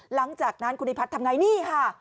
หลังจากนั้นคุณนิพัฒน์ทำไงนี่ค่ะ